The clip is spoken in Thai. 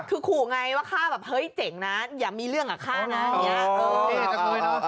คือขู่ไงว่าค่าเจ๋งนะอย่ามีเรื่องกับค่านั้น